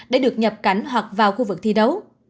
để được nhập cảnh hoặc vào khu vực thi đấu